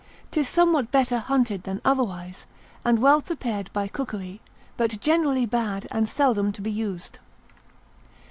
'Tis somewhat better hunted than otherwise, and well prepared by cookery; but generally bad, and seldom to be used.